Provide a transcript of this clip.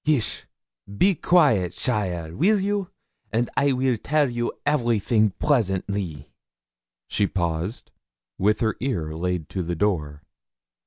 'Hish! be quiate, cheaile, weel you, and I weel tale you everything presently.' She paused, with her ear laid to the door.